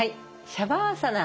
シャバーサナ。